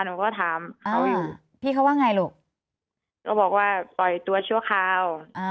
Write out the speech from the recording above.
หนูก็ถามเขาพี่เขาว่าไงลูกก็บอกว่าปล่อยตัวชั่วคราว